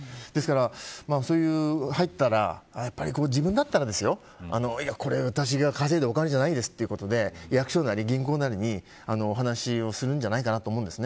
入ったら、自分だったらですよこれは私が稼いだお金じゃないですということで役所なり、銀行なりにお話をするんじゃないかなと思うんです。